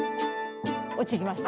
落ちてきました。